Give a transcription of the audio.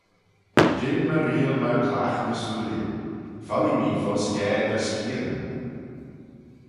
Jean m'y reayll myr clagh ny sooilley: follee mee fo scaa dty skianyn.